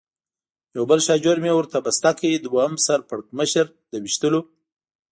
یو بل شاژور مې ورته بسته کړ، دوهم سر پړکمشر د وېشتلو.